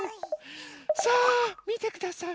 さあみてください！